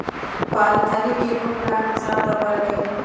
په القلي کې کوم رنګ ځانته غوره کوي؟